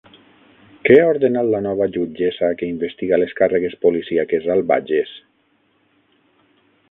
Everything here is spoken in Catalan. Què ha ordenat la nova jutgessa que investiga les càrregues policíaques al Bages?